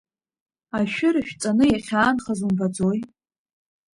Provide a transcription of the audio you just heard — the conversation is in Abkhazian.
Ашәы рышәҵаны иахьаанхаз умбаӡои.